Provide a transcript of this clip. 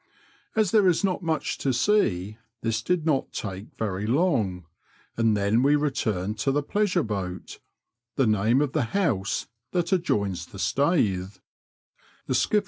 As there is not much to see, this did not take very long, and then we returned to the Pleasure Boat — the name of the house that adjoins the staithe.